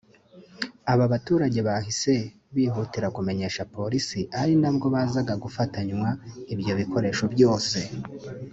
aba baturage bahise bihutira kumenyesha Polisi ari nabwo bazaga gufatanywa ibyo bikoresho byose